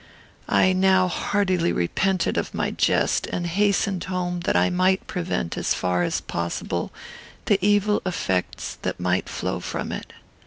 "I now heartily repented of my jest, and hastened home, that I might prevent, as far as possible, the evil effects that might flow from it.